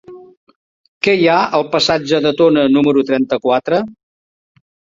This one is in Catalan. Què hi ha al passatge de Tona número trenta-quatre?